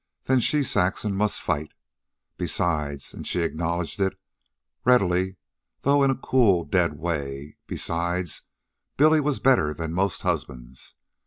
Then she, Saxon, must fight. Besides and she acknowledged it readily, though in a cold, dead way besides, Billy was better than most husbands.